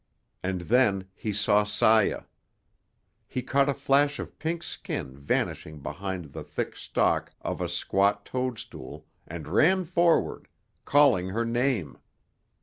And then he saw Saya. He caught a flash of pink skin vanishing behind the thick stalk of a squat toadstool, and ran forward, calling her name.